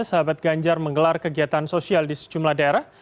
sahabat ganjar menggelar kegiatan sosial di sejumlah daerah